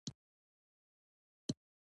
د غلو بارونیانو رامنځته کېدل دا ښيي.